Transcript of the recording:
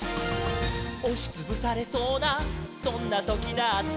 「おしつぶされそうなそんなときだって」